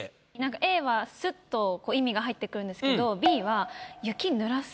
Ａはスッと意味が入ってくるんですけどＢは「雪濡らす」？